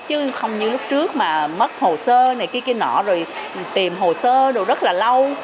chứ không như lúc trước mà mất hồ sơ này kia kia nọ rồi tìm hồ sơ đồ rất là lâu